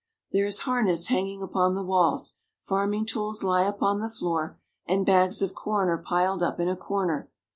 There is harness hanging upon the walls, farming tools lie upon the floor, and bags of corn are piled up in a corner.